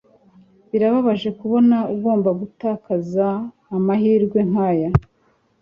Birababaje kubona ugomba gutakaza amahirwe nkaya